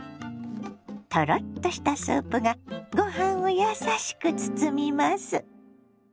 トロッとしたスープがご飯を優しく包みます。